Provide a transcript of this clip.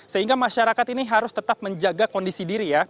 sehingga masyarakat ini harus tetap menjaga kondisi diri ya